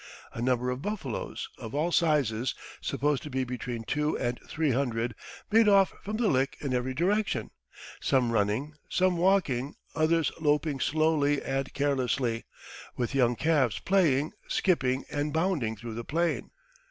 A number of buffaloes, of all sizes, supposed to be between two and three hundred, made off from the lick in every direction: some running, some walking, others loping slowly and carelessly, with young calves playing, skipping, and bounding through the plain.